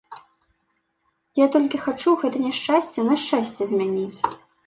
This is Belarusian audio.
Я толькі хачу гэта няшчасце на шчасце змяніць.